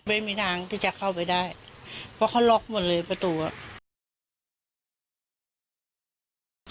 ไม่มีทางที่จะเข้าไปได้เพราะเขาล็อกหมดเลยประตูอ่ะ